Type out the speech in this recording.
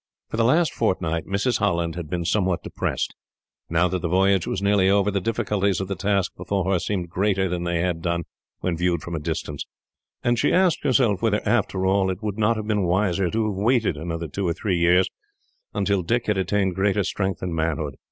For the last fortnight, Mrs. Holland had been somewhat depressed. Now that the voyage was nearly over, the difficulties of the task before her seemed greater than they had done when viewed from a distance, and she asked herself whether, after all, it would not have been wiser to have waited another two or three years, until Dick had attained greater strength and manhood.